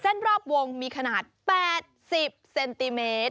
รอบวงมีขนาด๘๐เซนติเมตร